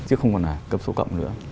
chứ không còn là cấp số cộng nữa